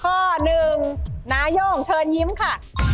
ข้อหนึ่งนาย่งเชิญยิ้มค่ะ